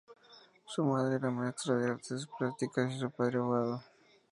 Su madre era maestra de Artes plásticas y su padre abogado.